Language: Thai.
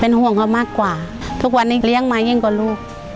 ห่วงเขามากกว่าทุกวันนี้เลี้ยงมายิ่งกว่าลูก